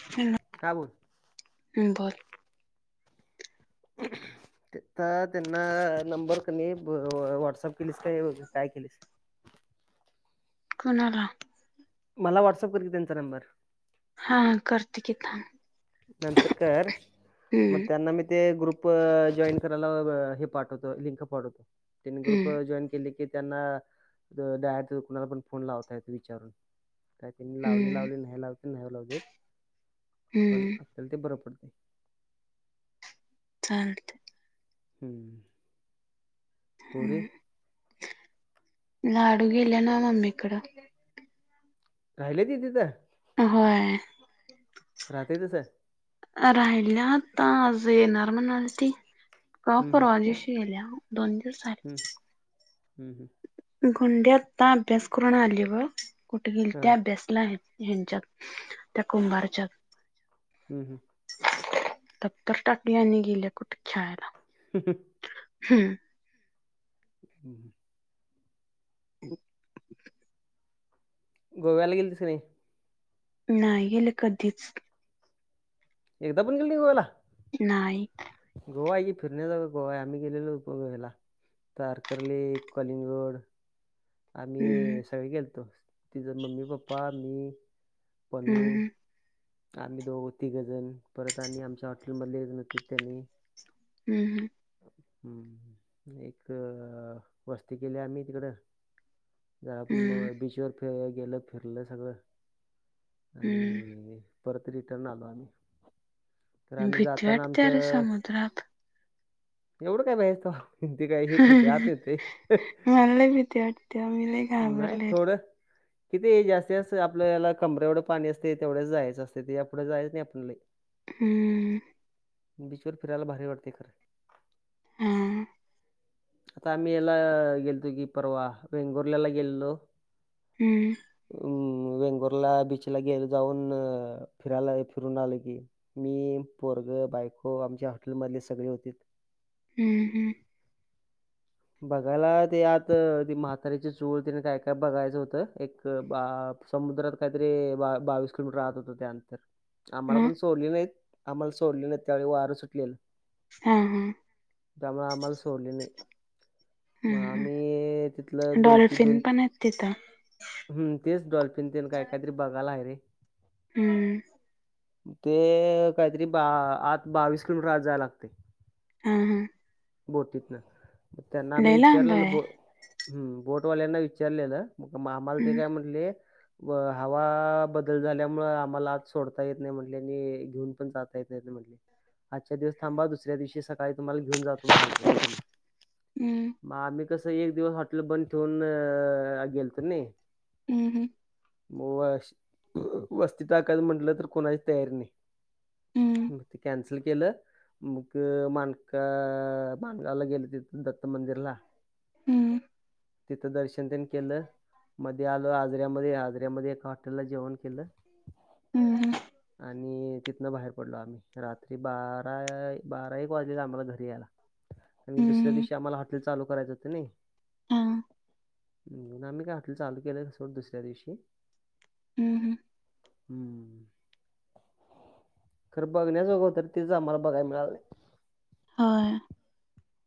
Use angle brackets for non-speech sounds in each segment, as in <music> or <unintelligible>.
<unintelligible> का बोल? हम्म बोल. तिथं कने त्यांना नंबर कने व्हाट्सअप. केलीसं काय ऐवजी काय केलीसं? कुणाला? मला व्हॉट्सअप कर कि त्यांचा नंबर. हा, करते की थांब. नंतर कर मग हम्म त्यांना मी ते ग्रुप ग्रुप जॉईन करायला हे पाठवतो, लिंक पाठवतो. त्यांनी ग्रुप हम्म जॉईन केले की त्यांना तिथं डायरेक्ट कुणाला पण फोन लावता येतो विचारून, काय त्यांनी लावली, हम्म लावली नाही लावली. नाही लावू देत. पण हम्म आपल्याला ते बरं पडतंय. चालतं. हम्म. पोरी हम्म, लाडू गेल्याला मम्मीकडं? राहिले ती तिथं? होय. राहतंय तसं. राहिल्या आता आज येणार म्हणालती. काल हम्म परवा दिवशी गेल्या दोन दिवस झालं. हम् हम्म हम् गुंडी आता अभ्यास करून आली बघ कुठं हा गेलती अभ्यासला हेंच्यात त्या कुंभारच्यात हम्म हम्म दप्तर टाकल्या आणि गेल्या कुठं खेळायला? <unintelligible> हम्म हम् <unintelligible> गोव्याला गेलतीस काय नाही? नाही गेले कधीच? एकदा पण गेला नाही गोव्याला? नाही. गोवा आहे की फिरण्या जोगा गोवा आहे आम्ही गेलेलो गो हेला तारकरली, कलिंगड हम्म आम्ही सगळे गेलतो तिज मम्मी, पप्पा मी, पनू हम्म आम्ही दोघं तिघ जन परत आणि आमच्या हॉटेल मधले एक जण होते त्यांनी हम्म हम्म एक वस्ती केली आम्ही तिकडं हम्म बीचवर फि गेलं फिरलं सगळं हम्म आणि परत रिटर्न आलो आम्ही तर आम्ही भिती जाताना वाटत्या रे आमचं समुद्रात. एवढं काय भ्यायचं तवा ते काय हे करते आत येतेय. मला लई भिती वाट ते आम्ही लई नाही थोडं किती जास्तीत जास्त आपलं याला कमरे एवढं पाणी असतय तेवढंच जायचं असतय तेच्या पुढं जायच नाही आपण लई <inaudible> हम्म बीचवर फिरायला भारी वाटते खरं. हा आता आम्ही याला गेलतो की परवा वेंगुर्ल्याला गेलेलो हम्म अं वेंगुर्ला बीचला गेलं जाऊन फिरायला फिरून आलं की मी पोरगं, बायको, आमच्या हॉटेलमधले सगळे होतीत. हम्म हम्म बघायला ते आत ती म्हातारीची चूळ तेन काय काय बघायचं होतं एक बा समुद्रात काहीतरी बावीस किलोमीटर आत होत ते अंतर आम्हाला मग पण सोडले नाहीत आम्हाला सोडले नाहीत त्यावेळी वारं सुटलेलं. हा हा त्यामुळे आम्हाला सोडले नाही मग हम्म हम्म आम्ही तिथलं दोन तीन डॉल्फिन दोन पण आहेत तिथं हम् तेच डॉल्फिन तेन काय काय तरी बघायला आहे. हम्म. ते कायतरी बा आत बावीस किलोमीटर आत जाया लागतंय. हा हां. बोटीत न, त्यांना आम्ही लय लांब विचारलेलं आहे ब-बोटवाल्यांना विचारलेलं. मामाला ते हम्म काय म्हनले व हवा बदल झाल्यामूळ आम्हाला आज सोडता येत नाय म्हनले आणि घेऊन पण जाता येत नाय म्हणले. आजच्या दिवस थांबा दुसऱ्या दिवशी सकाळी तुम्हाला घीऊन जातो म्हणालते त्यांनी. हम्म म आम्ही कसं एक दिवस हॉटेल बंद ठेवून गेल तर नाय हम्म हम्म. म वस- वस्ती टाकायचं म्हणलं तर कुणाची तयारी नाय. हम्म मग ते कॅन्सल केलं मग मानका अ माणगावला गेलीतीत दत्त मंदिरला. हम्म तिथं दर्शन तेन केलं. मध्ये आलो आजऱ्यामध्ये आजऱ्यामध्ये एका हॉटेलला जेवण केलं. हम्म हम्म आणि तिथनं बाहेर पडलो आम्ही रात बारा बारा एक वाजल्या आम्हाला घरी यायला. आणि दुसऱ्या हम्म दिवशी आम्हाला हॉटल चालू करायं होत नाई हा हम्म, आम्ही काय हॉटेल चालू केलं सोड दुसऱ्या दिवशी. हम्म हम्म. हम्म, खरं बघण्या जोग होत तेरचं आम्हाला बघाय मिळालं नाय. होय.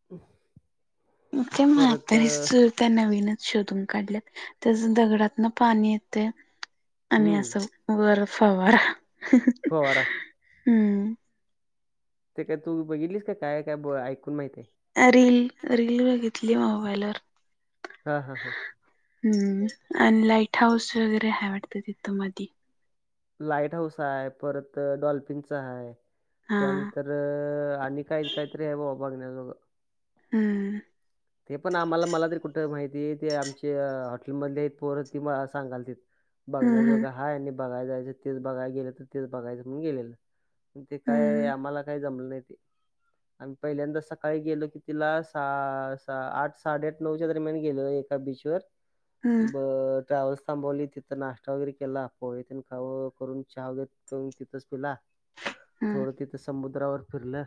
<inaudible> मग काय परत अ, म्हातारीच त्या नवीनच शोधून काढल्यात त्याज दगडातन पाणी येतय आणि हम्म असं वर फवारा. फवारा. हम्म. ते काय तू बघितलीस का काय काय ऐकून माहिती आय? अ -रील रील बघितली मोबाईलवर. हा हा हा. हम्म, आणि लाईट हाऊस वगैरे हाय वाटतं तिथं मधी. लाईट हाऊस आय परत डॉल्फिनचा आय. हा त्यानंतर आणि काय काय तरी हाय बाबा बघण्या जोग. हम्म. ते पण आम्हाला मला तरी कुठ माहिती ते आमच्या हॉटेलमधले हायत पोर ती मला सांगालतेत. बघण्याजोग हम्म हाय आणि बघाय जायचं तेच बघाय गेल तर तेच बघायचं म्हण गेलेलं. ते काय हम्म आम्हाला काय जमलं नाय ते. अन् पहिल्यांदा सकाळी गेलो कितीला सा आठ साडेआठ नऊच्या दरम्यान गेलेलो एका बीचवर. हम्म ब ट्रॅव्हल्स थांबवली तिथं नाश्ता वगैरे केला पोहे तेन खाव करून चहा व कवून तिथंच पिला. हम्म थोडं तिथं समुद्रावर फिरलं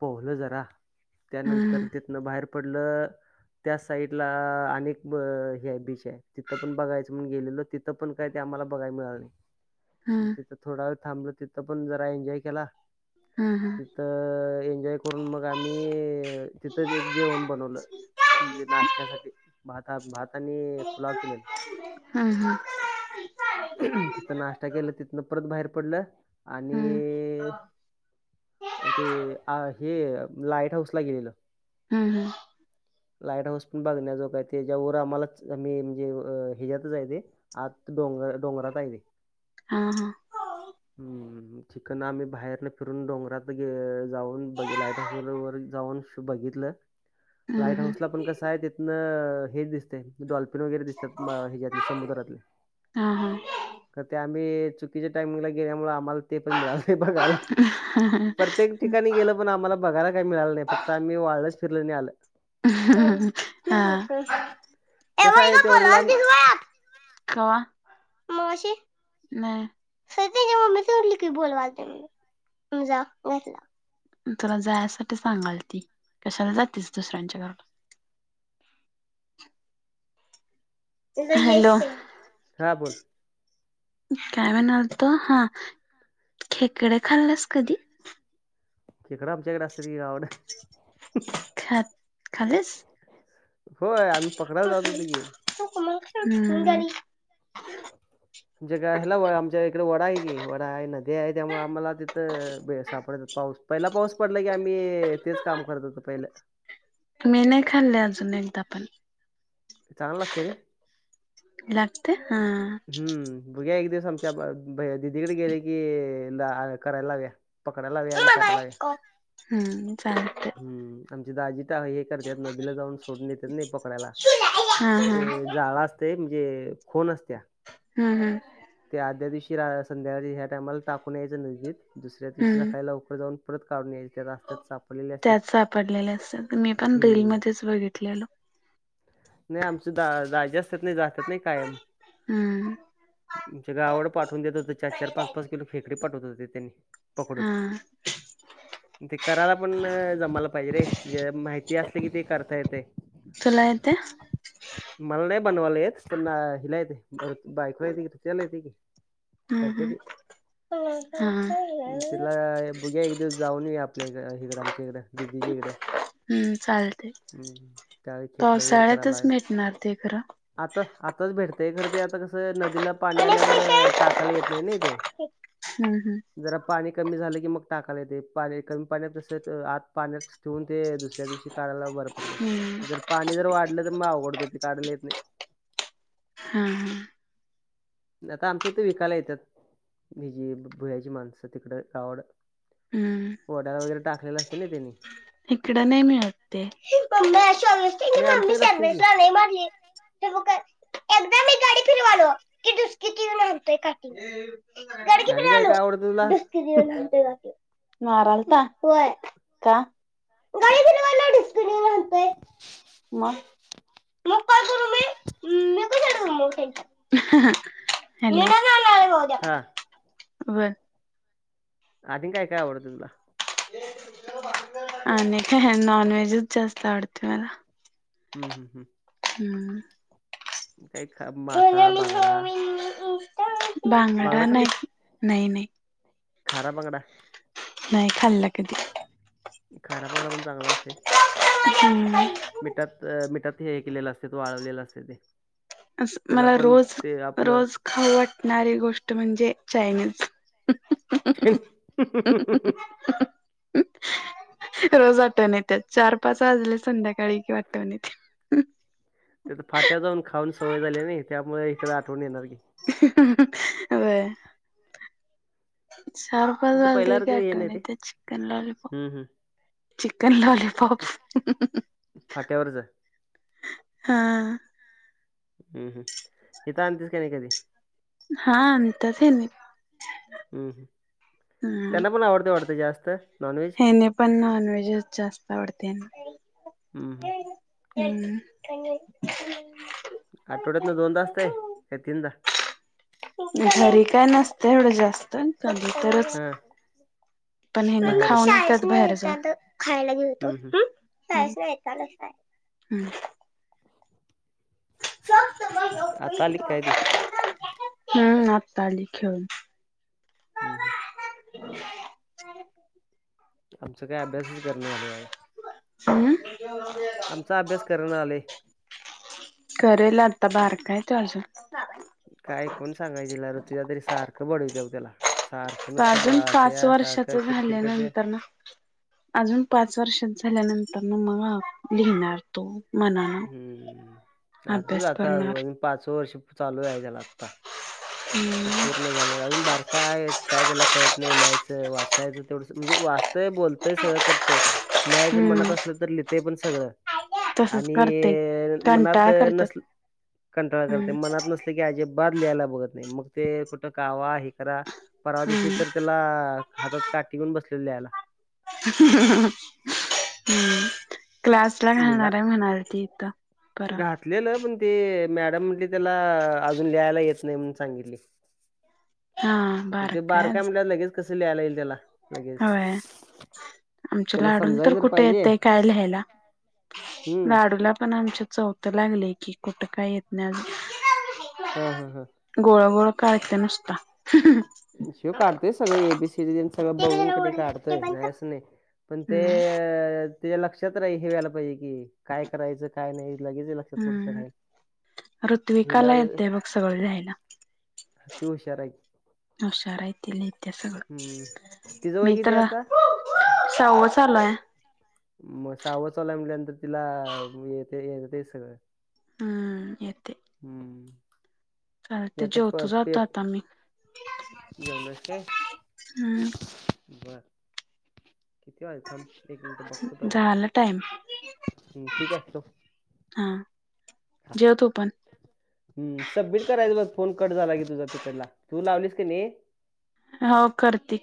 पोहलं जरा. त्यानंतर हम्म तिथनं बाहेर पडलं. त्या साईड ला अनेक हे बीच आय तिथं पण बघायचं म्हण गेलेलो ती थ -पण काय ते आम्हाला बघाय मिळाल नाय. मग हम्म तिथं थोडा वेळ थांबलो, तिथं पण जरा एन्जॉय केला. हा हा. तिथं एन्जॉय करून मग आम्ही तिथंच एक जेवण बनवलं म्हणजे हम्म. नाश्त्यासाठी भातात-भातानी पुलाव केलेला. <inaudible> हा हा. करून तिथं नाश्ता केलं तिथनं परत बाहेर पडलं आणि हम्म. ओ, ते, आ, हे लाईट हाऊस ला गेलेलं. हा हा. लाईट हाऊस पण बघण्याजोग आहे. ते त्याच्यावर आम्हांला आम्ही म्हणजे ह्याच्यातच आहे ते. आत डोंगर-डोंगरात आहे ते. हा हा. हम्म, चिकन आम्ही बाहेरन फिरून डोंगरात जाऊन बघ लाईट हाऊस वर जाऊन ते बघितलं हम्म लाईट हम्म. हाऊसला पण कसं आहे तिथन हेच दिसतंय डॉल्फिन वगैरे दिसतात मग ह्याच्यातले समुद्रातले. हा हा. तर ते आम्ही चुकीच्या टाइमिंगला गेल्यामुळे आम्हाला ते पण मिळालं नाही बघायला प्रत्येक ठिकाणी गेलं पण आम्हाला बघायला काय मिळालं नाही, फक्त आम्ही वाळलंच फिरलं आणि आलं. <unintelligible> हा <inaudible> ए कसं होय आहे ग तेवढं लांब बोलवालतीस होय आत? कावा? मगाशी, नाहीये, खरं त्यांच्या मम्मीने सांगितलं की बोलवालत्या म्हणून. तू जा म्हटला, मग तुला जाण्यासाठी सांगालती कशाला जातेस दुसऱ्यांच्या घरात. <unintelligible> हॅलो! हा बोल. काय म्हणालता? हा, खेकडे खाल्लास कधी. खेकडा आमच्याकडे असतेत की गावकड. खात खाल्लेस? होय आम्ही पकडायला जात होतो की. हम्म. <unintelligible> जग आ हेला व आमच्या इकडं वडा हाय की, वडा हाय नदी हाय त्यामुळं आम्हाला तिथं सापडत्यात. पाऊस पहिला पाऊस पडला की आम्ही, तेच काम करत होतो पहिलं मी नाय खाल्ले अजून एकदा पण चांगल लागतंय ते लागते हां, हां हम्म. बगुया एक दिवस आमच्या ब दिदीकडं गेल की आ करायं लाव्या. पकडा लावूया आणि कराय लावूया. हम्म चालतंय हम्म आमचे दाजी त्या हे करत्यात नदीला जाऊन सोडून येत्यात नी पकडायला हा हा. ते हम्म जाळ अस तय म्हणजे खोल असत्या हम् हम् ते आदल्या दिवशी रा, संध्याकाळी ह्या टायमाला टाकून यायचं नदीत, दुसऱ्या दिवशी हम्म सकाळी लवकर जाऊन परत काढून यायचं. त्यात सापडलेल्या असतं मी पण बेल हम्म मध्येच बघितलेलो. नाही आमच दा, दाजी असतात नही, जात्यात नाही कायम हम्म. आमच्या गावाकडं पाठवून देत होते चार -चार, पाच -पाच किलो फेकडी पाठवत होते ते त्यांनी पकडून. हा <unintelligible> करायला पण जमाला पाहिजे रे. जे माहिती असली, कि ते करता येतय. तुला येतय? मला नाय बनवायला येत, पण हिला येते, बायको येते की, <unintelligible> येते की. हम्म करत्या ती. हम्म तिला बघूया एक दिवस जाऊन येउ आपल्या इकडें अ आमच्या इकडे दिदीच्या इकडे. हम्म चालतंय. त्यावेळी खेकडं वगैरे करायला पावसाळ्यातच मेटणार ते खरं आता आताच भेटतय. खरं ते आता कसं नदीला पाणी आल्यामुळ टाकायला येत नाही नाइ ते. हम्म हम्म. जरा पाणी कमी झालं की मग टाकाला येतेय. पाणी कमी पाण्यात तस आत पाण्यात ठेवून ते दुस त्या दिवशी काढायला बरं पडतंय. हम्म जर पाणी जर वाढलं तर म आवघड होते, ते काढाला येत नाई. हा हा. <unintelligible> आमच्या इथे विकायला येत्यात. हेजी भुयाची माणसं तिकड गावाकड. हम्म वड्या वगैरे टाकलेला असते ना त्यांनी. इकड नाई मिळत ते. मम्मे सोयश त्यांची नाही मम्मी आमच्याकडे असते सर्वेश की ला लई मारली. <unintelligible> एकदा मी गाडी फिरवालो, की डुसकीत यून हाणतोय काठी. गाडी की आणि काय फिरवालो. काय आवडतं तुला? कीत यून हाणतूय बघ त्यू. मारालता. व्हय. का? गाडी फिरवालो डुसकीन व्हन. म <inaudible> नको साईड मग. हॅलो. येणार नाही उद्या हा बर. आणि काय काय आवडतं तुला? आणि काय, नॉन व्हेजच जास्त आवडते मला हम् हम् हम. म्म्.. म काय, खा मासा फांगडा फांगडा नाइ खाल्लीस नाय नाइ. खारा बांगडा नाइ खाल्ला कधी खारा <unintelligible> पण चांगला असते. हम्म. मिठात मिठात हे केलेलं, असत्यात ओ वाळवलेलं असते ते अस त्याला मला पण रोज ते आपलं रोज खाऊ वाटणारी गोष्ट म्हणजे, चायनीज रोज आठवण येते. चार पाच वाजले, संध्याकाळी आठवण येते. तिथं फाट्याव जाऊन खाऊन सवय झाल्या नई, त्यामुळं इकडं आठवण येणार की व्हय सहा वाजून तिथं आले की, पहिल्यासारखं हे नाही आठवण ते येत्या चिकन लॉलीपॉप हम्म, हम्म. चिकन लॉलीपॉप फाट्यावर जा. हा हम्म, हम्, इथं आणतेस का नाही कधी हा आणतात ह्यांनी हं. हम्म. त्यांना पण आवडते वाटतं जास्त नॉनव्हेज? त्यानी पण नॉनव्हेजच जास्त आवडते. हं हं. हम्म. <unintelligible> आठवड्यातन दोनदाच काय? का तिनदा? घरी काय नसतं एवढं जास्त. कधी तर <unintelligible> पण हेना बाहेरच खाऊनसत बाहेर जातो. हम्म, हम्म. <unintelligible> आता आली काय ती हं, आत्ता आली खेळून. हं हं. <inaudible> आमच काय अभ्यासच करणं झाले बाबा. अं? आमचा अभ्यास करना झालंय. करेल आता, बारकाय तो अजून. <inaudible> काय कोण सांगायचे ला र तिला. तरी सारखं बडवतीव त्याला सारखं. तो नुसतं अजून पाच बडवत्या वर्षाच सारखं किरकिर झालं करत्या नंतर ना अजून पाच वर्षाचा झाल्यानंतर न मग लिहिणार तो. मनानं. हं. आजच अभ्यास आता करणार अजून पाच स वर्ष चालू आहे त्याला आता. ते पूर्ण झालेल अजून बार काये काय त्याला कळत नाही, लिहायचं- वाचायचं तेवढ. म्हणजे वाचतंय बोलतंय सगळं करतंय. लिहायचं मनात हम्म असलं तर लिहितय पण सगळं. तसच आणि करते. अ मनात कंटाळा करतात नसल कंटाळ करते हम्म मनात नसल ते की अजिबात लिहायला बघत नाही. म ते कुठ कावा हे करा. परवा दिशी हम्म. तर ला हातात काटी घेऊन बसलेली लिहायला. हं. क्लास ला लिहिला घालणार आहे म्हणाल ती इथं. परवा घातलेलं पण ते मॅडम म्हटले त्याला अजून लियला येत नाही म्हण सांगितले. हा आता ते बारका आहे बारकाय अजून. म्हटल्या लगेच कसं लियला येईल त्याला? लगेच होय. आमच्याला त्याला लाडूला समजाय तर जर कुठे पाहिजे येतंय काय लिहायला? हम्म लाडूला पण आमच्या चौथ लागलय की, कुठं काय येत नाही अजून. हं हं हं. गोळा गोळा काढतय नुसता. अं ह्यो काढतोय सगळे ए बी सी डी ते तेन सगळं बघून कनि काढतोय. नाही असं नाही. पण ते हम्म त्याच्या लक्षात राही हे व्यायला पाहिजे की, काय करायचं काय नाही. लगेच हिल त्याच्या पुढच हम्म. राहील हिला ऋत्विकाला येतय बघ सगळं लिहायला ती हुशार आहे की. हुशार हाय ती लिहित्या सगळ. हम्म तिचं वय मी किती आहे तर आता सहावं चालूय. म सहावं चालू हाय म्हणल्यानंतर तिला तेच येतंय सगळं. हां येतय. हं. चालतय जेवतो जातो आता मी. जेवणारस काय हम्म. बर किती वाजलं थांब. एक मिनिट बघतो पहिला झाला टाइम हम् ठीक आहे ठेव. हा जेव तू पण. हम. सबमिट करायचं बघ. फोन कट झाला की, तुझा तिकडला. तू लावलीस की नाही. हो करते.